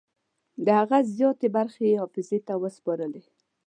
د هغه زیاتې برخې یې حافظې ته وسپارلې.